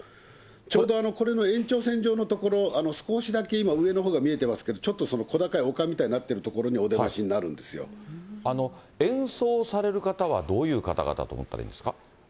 ちょうどこれの延長線上の所、少しだけ今、上のほうが見えてますけど、ちょっとその小高いおかみたいになってる所にお出ましになるんで演奏される方はどういう方々と思ったらいいんですか。